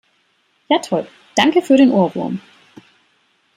Ja toll, danke für den Ohrwurm!